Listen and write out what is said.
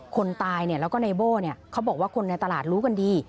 คนตายเนี่ยแล้วก็นายโบ้เนี่ยเขาบอกว่าคนในตลาดรู้กันดี